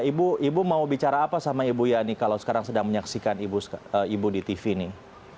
ibu ibu mau bicara apa sama ibu yani kalau sekarang sedang menyaksikan ibu di tv nih